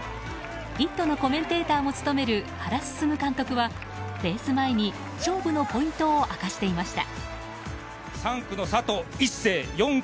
「イット！」のコメンテーターも務める原晋監督はレース前に勝負のポイントを明かしていました。